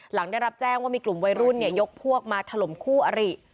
หลังได้รับแจ้งว่ามีกลุ่มวัยรุ่นยกพวกมาถล่มคู่อริ